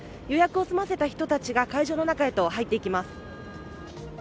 予約を済ませた人たちが会場の中へと入っていきます。